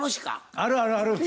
あるあるある。